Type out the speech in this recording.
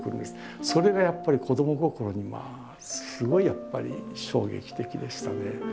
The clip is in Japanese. それがやっぱり子ども心にすごいやっぱり衝撃的でしたね。